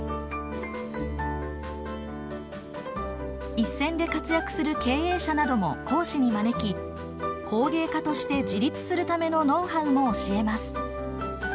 一線で活躍する経営者なども講師に招き工芸家として自立するためのノウハウも教えます。